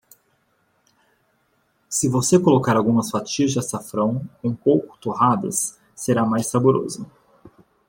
Se você colocar algumas fatias de açafrão um pouco torradas, será mais saboroso.